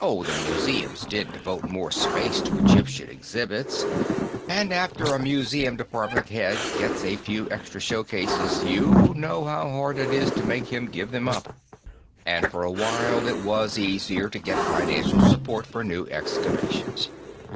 Oh, the museums did devote more space to Egyptian exhibits, and after a museum department head gets a few extra showcases, you know how hard it is to make him give them up. And, for a while, it was easier to get financial support for new excavations.